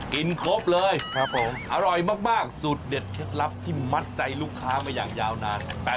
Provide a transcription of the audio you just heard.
ครบเลยครับผมอร่อยมากสูตรเด็ดเคล็ดลับที่มัดใจลูกค้ามาอย่างยาวนาน